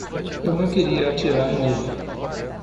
Eu não queria atirar nele.